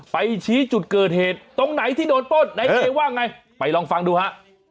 ชี้จุดเกิดเหตุตรงไหนที่โดนปล้นนายเอว่าไงไปลองฟังดูฮะ